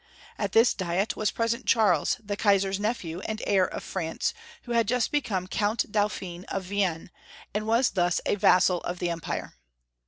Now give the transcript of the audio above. At this diet was present Charles, the Kaisar's nephew, and heir of France, who had just become Count Dauphin of Vienne, and was thus a vassal of the empire.